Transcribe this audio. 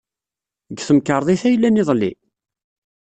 Deg temkarḍit ay llan iḍelli?